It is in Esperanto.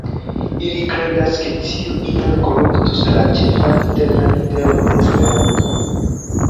Ili kredas, ke tiu iel koruptus la ĉefan internan ideon de Esperanto